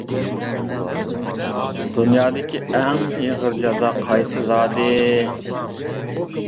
دۇنيادىكى ئەڭ ئېغىر جازا قايسى زادى؟ ؟؟؟؟؟؟؟!